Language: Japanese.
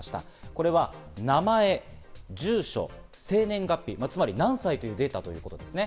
これは名前、住所、生年月日、つまり何歳というデータということですね。